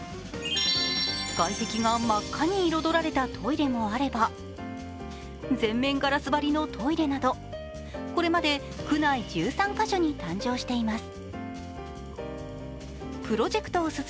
外壁が真っ赤に彩られたトイレもあれば全面ガラス張りのトイレなどこれまで区内１３か所に誕生しています。